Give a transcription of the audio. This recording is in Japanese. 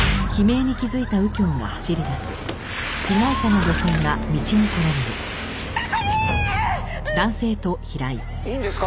いいんですか？